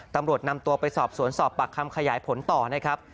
ตำรวจนำตัวไปสอบสวนสอบปากคำขยายผลต่อนะครับ